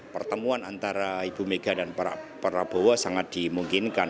pertemuan antara ibu mega dan pak prabowo sangat dimungkinkan